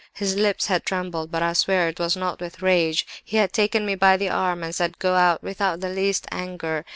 His lips had trembled, but I swear it was not with rage. He had taken me by the arm, and said, 'Go out,' without the least anger.